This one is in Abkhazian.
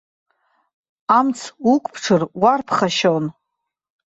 Амц уқәԥҽыр, уарԥхашьон.